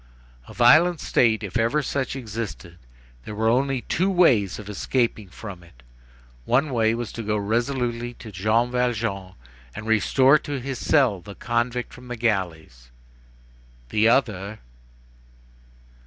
A violent state, if ever such existed. There were only two ways of escaping from it. One was to go resolutely to Jean Valjean, and restore to his cell the convict from the galleys. The other....